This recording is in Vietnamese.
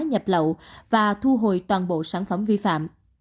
nhập lậu và thu hồi toàn bộ sản phẩm vi phạm